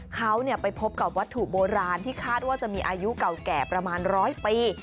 เขาไปพบกับวัตถุโบราณที่คาดว่าจะมีอายุเก่าแก่ประมาณร้อยปี